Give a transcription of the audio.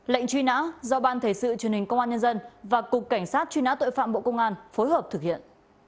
lệnh truy nã do ban thể sự truyền hình công an nhân dân và cục cảnh sát truy nã tội phạm bộ công an phối hợp thực hiện